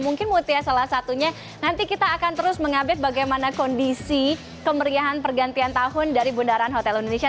mungkin mutia salah satunya nanti kita akan terus mengupdate bagaimana kondisi kemeriahan pergantian tahun dari bundaran hotel indonesia